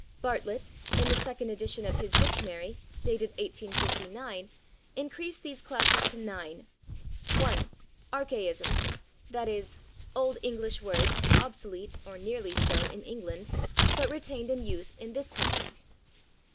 Bartlett, in the second edition of his dictionary, dated 1859, increased these classes to nine; 1. Archaisms, /i. e./, old English words, obsolete, or nearly so, in England, but retained in use in this country.